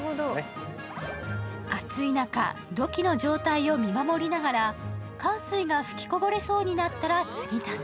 暑い中、土器の状態を見守りながら、かん水が吹きこぼれそうになったらつぎ足す。